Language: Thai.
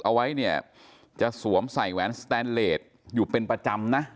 เอาไว้เนี่ยจะสวมใส่แหวนสแตนเลสอยู่เป็นประจำนะ